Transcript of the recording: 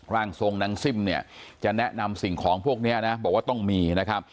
ร่างทรงนางซิ่มเนี่ยจะแนะนำสิ่งของพวกนี้นะบอกว่าต้องมีนะครับ